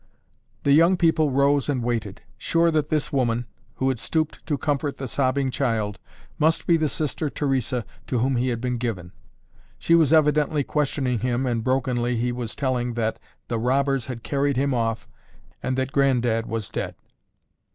The young people rose and waited, sure that this woman, who had stooped to comfort the sobbing child, must be the Sister Theresa to whom he had been given. She was evidently questioning him and brokenly he was telling that the robbers had carried him off and that Granddad was dead.